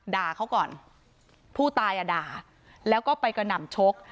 ด่าเขาก่อนผู้ตายอ่ะด่าแล้วก็ไปกระหน่ำชก